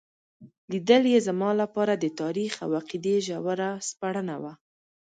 لیدل یې زما لپاره د تاریخ او عقیدې ژوره سپړنه وه.